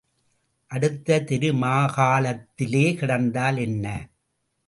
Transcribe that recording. அடுத்த திருமாகாளத்திலே கிடந்தால் என்ன?